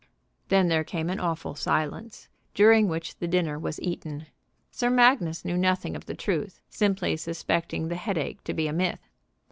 Then there came an awful silence, during which the dinner was eaten. Sir Magnus knew nothing of the truth, simply suspecting the headache to be a myth.